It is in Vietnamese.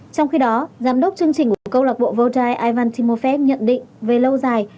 trong khi đó giám đốc chương trình của câu lạc bộ voltaire ivan timofey nhận định về lâu dài